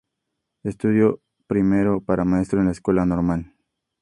Estudió primero para maestro en la Escuela Normal.